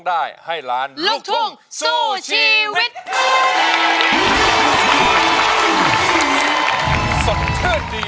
สดชื่นจริงเลยนะ